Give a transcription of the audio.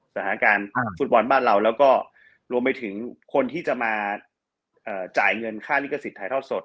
สถานการณ์ฟุตบอลบ้านเราแล้วก็รวมไปถึงคนที่จะมาจ่ายเงินค่าลิขสิทธิถ่ายทอดสด